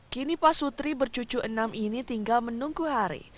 kini pak sutri bercucu enam ini tinggal menunggu hari